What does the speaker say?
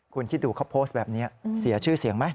คุณคิดดูเขาโพสต์แบบนี้เสียชื่อเสียงไหม